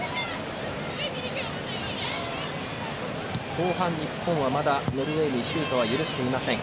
後半、日本はまだノルウェーにシュートは許していません。